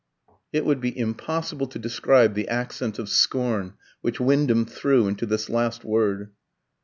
It would be impossible to describe the accent of scorn which Wyndham threw into this last word.